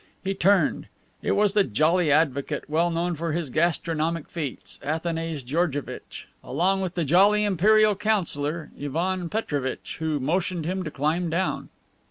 He turned. It was the jolly advocate, well known for his gastronomic feats, Athanase Georgevitch, along with the jolly Imperial councilor, Ivan Petrovitch, who motioned him to climb down.